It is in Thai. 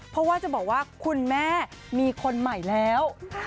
เพราะว่าจะบอกว่าคุณแม่มีคนใหม่แล้ว